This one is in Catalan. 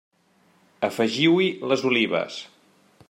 Afegiu-hi les olives.